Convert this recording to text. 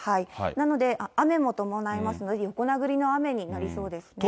なので、雨も伴いますので、横殴りの雨になりそうですね。